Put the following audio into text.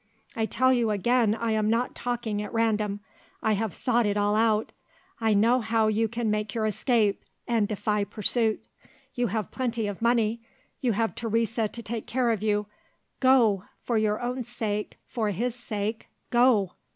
I tell you again I am not talking at random. I have thought it all out: I know how you can make your escape, and defy pursuit. You have plenty of money; you have Teresa to take care of you. Go! For your own sake, for his sake, go!"